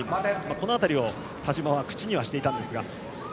この辺りを田嶋は口にはしていたんですが。